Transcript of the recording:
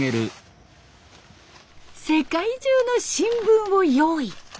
世界中の新聞を用意。